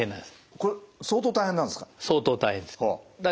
これ相当大変なんですか？